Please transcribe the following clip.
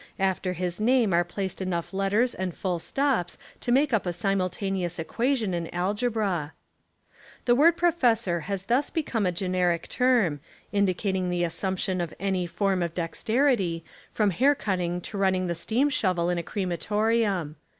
After his name are placed enough letters and full stops to make up a simultaneous equation in algebra. The word "professor" has thus become a generic term, indicating the assumption of any 15 Essays and Literary Studies form of dexterity, from hair cutting to running the steam shovel in a crematorium.